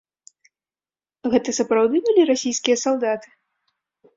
Гэта сапраўды былі расійскія салдаты?